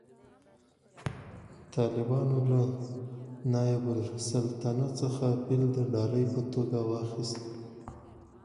طالبانو له نایب السلطنه څخه فیل د ډالۍ په توګه واخیست